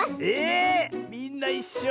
みんないっしょ。